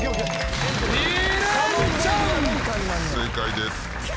正解です。